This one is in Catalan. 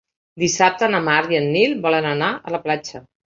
Dissabte na Mar i en Nil volen anar a la platja.